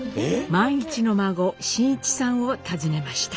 萬一の孫伸一さんを訪ねました。